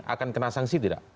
akan kena sanksi tidak